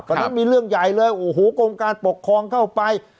ตอนนั้นมีเรื่องใหญ่เลยโอ้โหกรมการปกครองเข้าไป